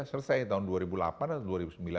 selesai tahun dua ribu delapan atau dua ribu sembilan